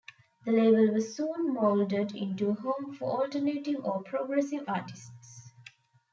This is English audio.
The label was soon moulded into a home for 'alternative' or 'progressive' artists.